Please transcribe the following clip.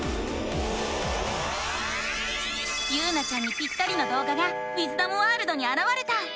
ゆうなちゃんにピッタリのどう画がウィズダムワールドにあらわれた！